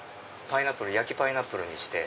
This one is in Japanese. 焼きパイナップルにして。